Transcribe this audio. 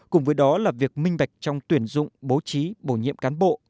cùng với đó là việc minh bạch trong tuyển dụng bố trí bổ nhiệm cán bộ